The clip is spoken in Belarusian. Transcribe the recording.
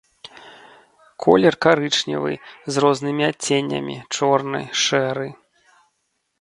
Колер карычневы з рознымі адценнямі, чорны, шэры.